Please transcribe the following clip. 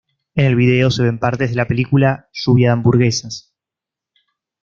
En el vídeo se ven partes de la película Lluvia De Hamburguesas.